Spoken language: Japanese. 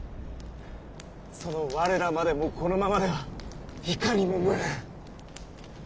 その我らまでもこのままではいかにも無念。